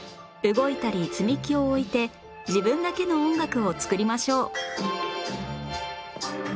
動いたり積み木を置いて自分だけの音楽を作りましょう